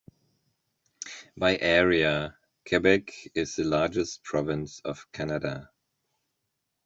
By area, Quebec is the largest province of Canada.